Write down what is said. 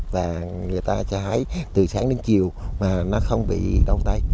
và người ta cho hái từ sáng đến chiều mà nó không bị đau tay